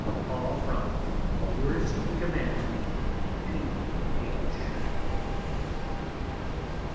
All from Yours to Command, P.H.